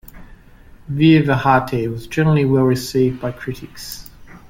"Viva Hate" was generally well received by critics.